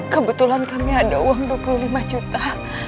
kebetulan kami ada uang dua puluh lima juta